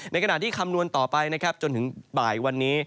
ในขณะที่คำนวณต่อไปนะครับจนถึงบ่ายวันนี้